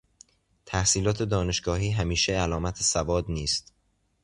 تحصیلات دانشگاهی همیشه علامت سواد نیست.